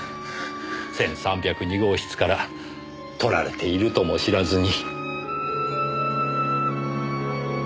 １３０２号室から撮られているとも知らずに。